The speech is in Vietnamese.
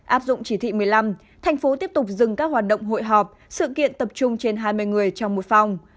áp dụng chỉ thị một mươi năm thành phố tiếp tục dừng các hoạt động hội họp sự kiện tập trung trên hai mươi người trong một phòng